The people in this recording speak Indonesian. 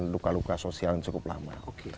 luka luka sosial yang cukup lama